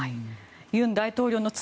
尹大統領の妻